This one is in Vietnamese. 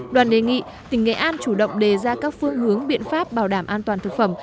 đoàn đề nghị tỉnh nghệ an chủ động đề ra các phương hướng biện pháp bảo đảm an toàn thực phẩm